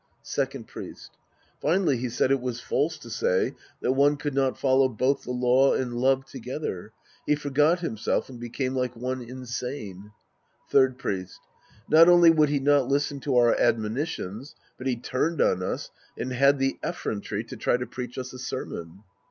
Second Priest. Finally he said it was false to say that one could not follow both the law and love together. He forgot himself and became like one insane. Third Priest. No!; only would he not listen to our admonitions, but he turned on us and had the ef frontery to try to preach us a sermon.